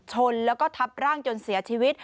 ชนแล้วก็ทับร่างจนเสียชีวิต